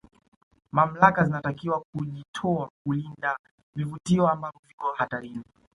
mamlaka zinatakiwa kuujitoa kulinda vivutio ambavyo viko hatarini